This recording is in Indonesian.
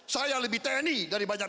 saya lebih tni dari banyak